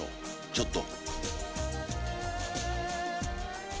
ちょっと。